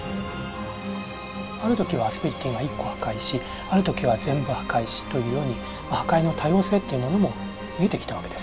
ある時はアスペリティが１個破壊しある時は全部破壊しというように破壊の多様性というものも見えてきたわけです。